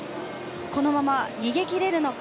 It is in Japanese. このまま逃げ切れるのか。